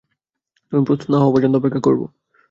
তুমি প্রস্তুত না হওয়া পর্যন্ত অপেক্ষা করব।